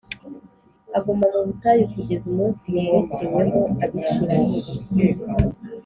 , aguma mu butayu kugeza umunsi yerekewemo Abisiraheli.’